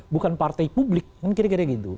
bukan partai publik kan kira kira gitu